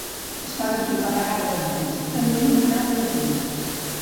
Es poden trobar paraules d'origen tamil en altres llengües.